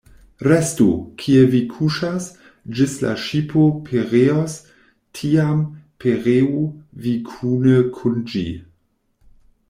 Restu, kie vi kuŝas, ĝis la ŝipo pereos; tiam, pereu vi kune kun ĝi.